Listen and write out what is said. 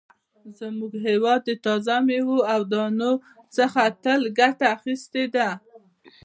زموږ هېواد د تازه مېوو او دانو څخه تل ګټه اخیستې ده.